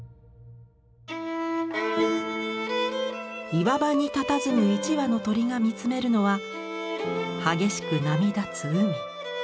岩場にたたずむ一羽の鳥が見つめるのは激しく波立つ海。